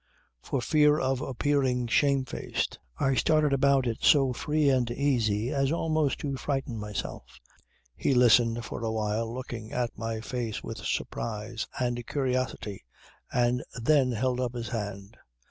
For fear of appearing shamefaced I started about it so free and easy as almost to frighten myself. He listened for a while looking at my face with surprise and curiosity and then held up his hand.